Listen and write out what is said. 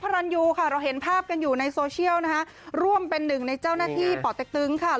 ส่วนค่ะเราเห็นภาพกันอยู่ในนะคะร่วมเป็นหนึ่งในเจ้าหน้าที่ค่ะ